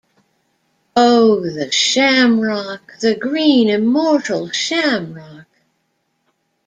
Oh the Shamrock, the green immortal Shamrock!